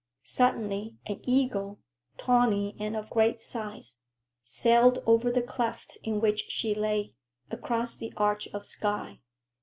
Suddenly an eagle, tawny and of great size, sailed over the cleft in which she lay, across the arch of sky.